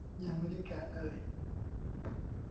ยังไม่ได้แกะเลย